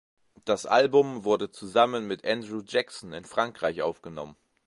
Das Album wurde zusammen mit Andrew Jackson in Frankreich aufgenommen.